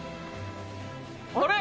あれ？